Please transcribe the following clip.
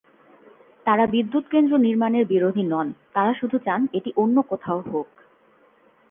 তাঁরা বিদ্যুৎকেন্দ্র নির্মাণের বিরোধী নন, তাঁরা শুধু চান এটি অন্য কোথাও হোক।